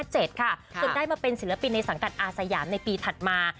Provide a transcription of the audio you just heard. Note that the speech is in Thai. จนได้มาเป็นศิลปินในสังกัดอาสยามในปีถัดมา